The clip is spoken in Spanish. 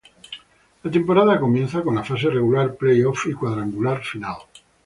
La temporada comienza con la fase regular, play off, y cuadrangular final.